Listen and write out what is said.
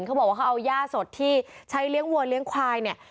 เขาบอกว่าเขาเอาย่าสดที่ใช้เลี้ยงวัวเลี้ยงควายเนี่ย